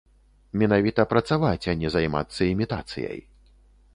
Менавіта працаваць, а не займацца імітацыяй.